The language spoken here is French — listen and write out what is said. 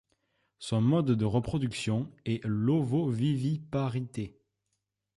Son mode de reproduction est l'ovoviviparité.